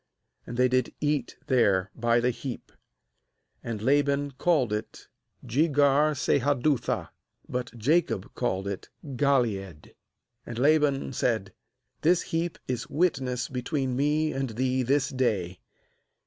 And • they did eat there by the heap. 47And Laban called it aJegar sahadutha: but Jacob called it bGaleed. 48And Laban said: 'This heap is witness between me and thee this day.'